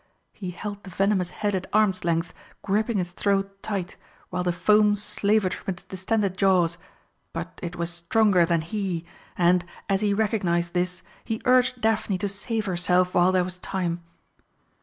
He held the venomous head at arm's length, gripping its throat tight, while the foam slavered from its distended jaws, but it was stronger than he, and, as he recognised this, he urged Daphne to save herself while there was time.